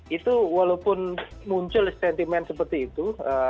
itu walaupun muncul sentimen seperti itu